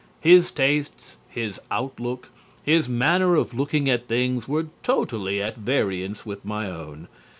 His tastes, his outlook, his manner of looking at things were totally at variance with my own....